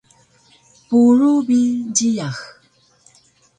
Purug bi jiyax